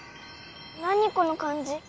何この感じ？